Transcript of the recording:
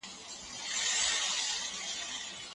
هغه مخکې لا خپله ټوله شتمني اړمنو خلکو ته ورکړې وه.